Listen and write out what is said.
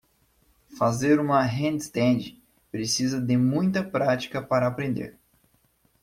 Fazer um handstand precisa de muita prática para aprender.